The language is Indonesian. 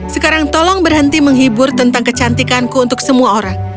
sekarang tolong berhenti menghibur tentang kecantikanku untuk semua orang